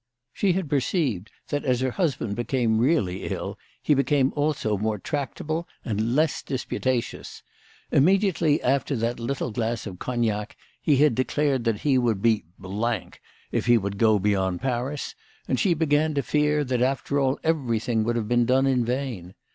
She had perceived that as her husband became really ill he became also more tractable and less disputatious. Immediately after that little glass of cognac he had declared that he would be if he would go beyond Paris, and she began to fear that, after all, everything would have been done in vain.